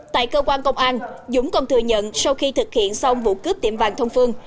tại cơ quan công an dũng còn thừa nhận sau khi thực hiện xong vụ cướp tiệm vàng thông phương